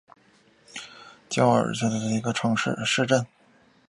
格拉茨附近内施特尔巴赫是奥地利施蒂利亚州格拉茨城郊县的一个市镇。